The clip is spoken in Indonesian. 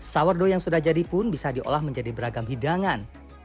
sahur dow yang sudah jadi pun bisa diolah menjadi beragam hidangan